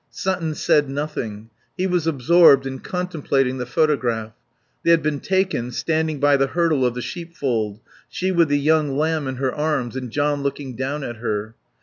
Sutton said nothing. He was absorbed in contemplating the photograph. They had been taken standing by the hurdle of the sheepfold, she with the young lamb in her arms and John looking down at her.